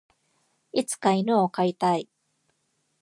いつか犬を飼いたい。